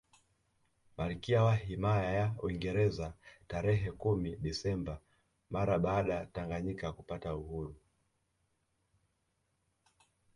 Malkia wa himaya ya Uingereza tarehe kumi Desemba mara baada Tanganyika kupata uhuru wake